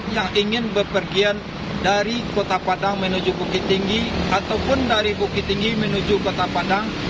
yang ingin berpergian dari kota padang menuju bukit tinggi ataupun dari bukit tinggi menuju kota padang